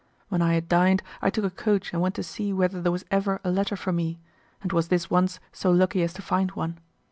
When I had dined I took a coach and went to see whether there was ever a letter for me, and was this once so lucky as to find one.